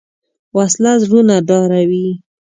وسله زړونه ډاروي